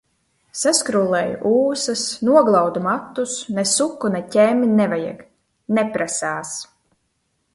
Saskrullēju ūsas, noglaudu matus, ne suku, ne ķemmi nevajag. Neprasās.